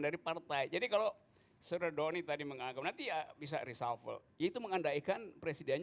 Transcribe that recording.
dari partai jadi kalau seredoni tadi menganggap nanti ya bisa risalvel itu mengandaikan presidennya